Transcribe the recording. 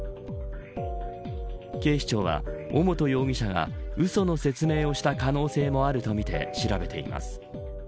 警視庁は尾本容疑者がうその説明をした可能性もあるとみて調べています。